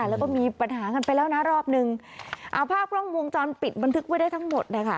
แล้วก็มีปัญหากันไปแล้วนะรอบนึงเอาภาพกล้องวงจรปิดบันทึกไว้ได้ทั้งหมดนะคะ